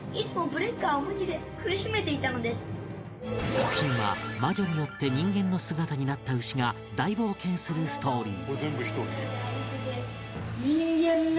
作品は魔女によって人間の姿になった牛が大冒険するストーリー